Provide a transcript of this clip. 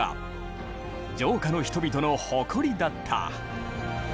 城下の人々の誇りだった。